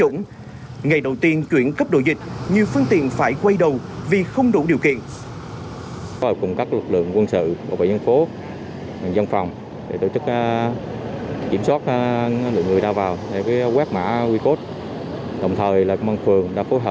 ngày đầu tiên chuyển cấp độ dịch nhiều phương tiện phải quay đầu vì không đủ điều kiện